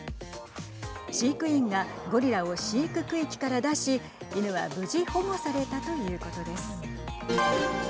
飼育員がゴリラを飼育区域から出し犬は無事保護されたということです。